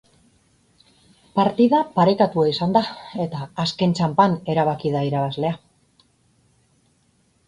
Partida parekatua izan da, eta azken txanpan erabaki da irabazlea.